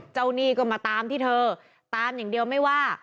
หนี้ก็มาตามที่เธอตามอย่างเดียวไม่ว่า